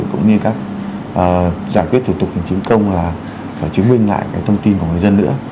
cũng như các giải quyết thủ tục hành chính công là chứng minh lại thông tin của người dân nữa